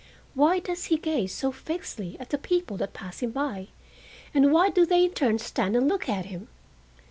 Why does he gaze so fixedly at the people that pass him by, and why do they in turn stand and look at him?